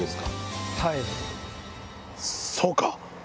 そうか！